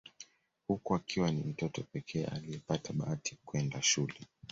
Huku akiwa ni mtoto pekee aliyepata bahati ya kwenda shule